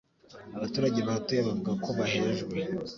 Abaturage bahatuye bavuga ko bahejwe